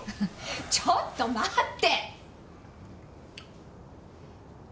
ちょっと待って！